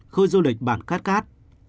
khu du lịch bản khát khát